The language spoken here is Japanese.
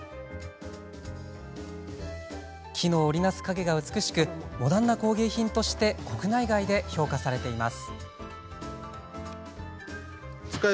木の織り成す影が美しくモダンな工芸品として国内外で評価されています。